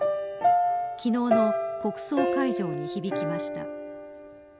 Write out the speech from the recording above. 昨日の国葬会場に響きました。